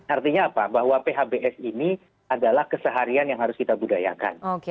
artinya apa bahwa phbs ini adalah keseharian yang harus kita budayakan